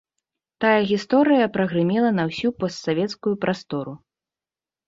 Тая гісторыя прагрымела на ўсю постсавецкую прастору.